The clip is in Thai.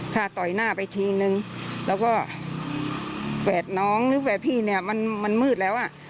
ค่ะต่อยหน้าไปทีนึงแล้วก็แฝดน้องหรือแฝดพี่เนี่ยมันมืดแล้วอ่ะ